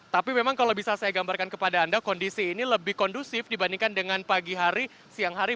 tapi memang kalau bisa saya gambarkan kepada anda kondisi ini lebih kondusif dibandingkan dengan pagi hari siang hari